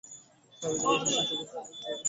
সাহাবীদের ব্যাপারে সে সুযোগের সন্ধানে রইল।